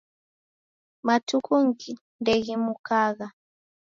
Matuku ndeghimukagha.